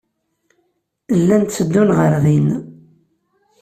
Llan tteddun ɣer din.